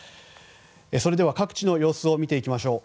それでは各地の様子を見ていきましょう。